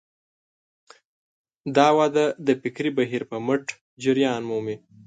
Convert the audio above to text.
دا وده د فکري بهیر په مټ جریان مومي.